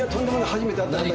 初めて会った方に。